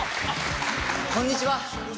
こんにちは。